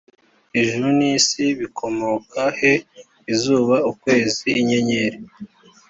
ijuru n isi bikomoka he izuba ukwezi inyenyeri